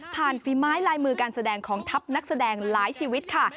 ฝีไม้ลายมือการแสดงของทัพนักแสดงหลายชีวิตค่ะ